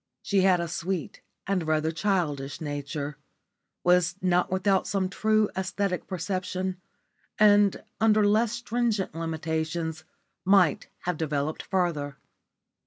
She had a sweet and rather childish nature, was not without some true æsthetic perception, and under less stringent limitations might have developed further.